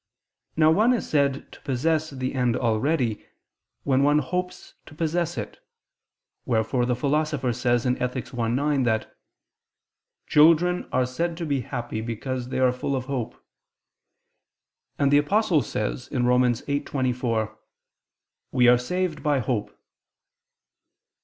Now one is said to possess the end already, when one hopes to possess it; wherefore the Philosopher says (Ethic. i, 9) that "children are said to be happy because they are full of hope"; and the Apostle says (Rom. 8:24): "We are saved by hope."